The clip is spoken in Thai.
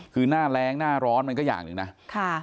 คือหน้าแรงหน้าร้อนมันก็อย่างหนึ่งนะค่ะ